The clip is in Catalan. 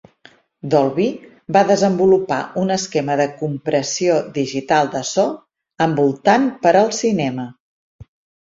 Dolby va desenvolupar un esquema de compressió digital de so envoltant per al cinema.